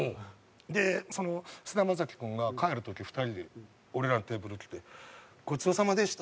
でその菅田将暉君が帰る時２人で俺らのテーブル来て「ごちそうさまでした。